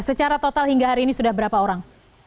secara total hingga hari ini sudah berapa orang